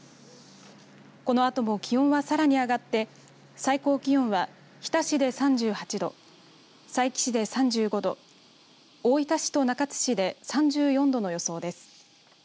このあとも気温はさらに上がって最高気温は日田市で３８度佐伯市で３５度大分市と中津市で３４度の予想です。